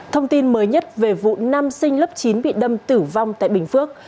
thông tin mới nhất về vụ nam sinh lớp chín bị đâm tử vong tại bình phước